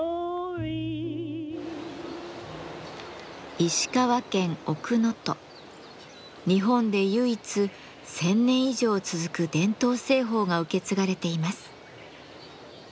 塩鑑賞の小壺は日本で唯一１，０００年以上続く伝統製法が受け継がれています。